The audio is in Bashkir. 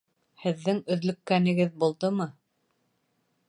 Һеҙҙең өҙлөккәнегеҙ булдымы?